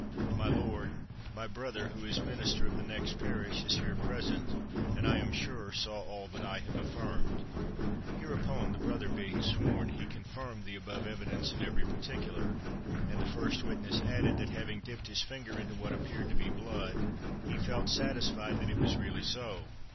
My lord, my brother, who is minister of the next parish, is here present, and, I am sure, saw all that I have affirmed.'" Hereupon, the brother, being sworn, he confirmed the above evidence in every particular, and the first witness added, that having dipped his finger into what appeared to be blood, he felt satisfied that it was really so.